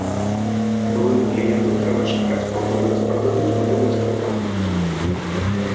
Былым кліентам трэба чакаць, пакуль распрададуць маёмасць кампаніі.